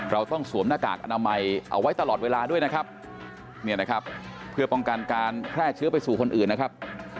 เราต้องสวมหน้ากากอนามัยเอาไว้ตลอดเวลาด้วยนะครับเนี่ยนะครับเพื่อป้องกันการแพร่เชื้อไปสู่คนอื่นนะครับ